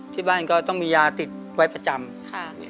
ที่บ้านก็ต้องมียาติดไว้ประจำ